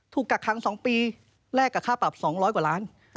กักขัง๒ปีแลกกับค่าปรับ๒๐๐กว่าล้าน